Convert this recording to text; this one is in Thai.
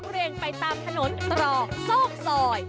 เรียงไปตามถนนตรอกซอกซอย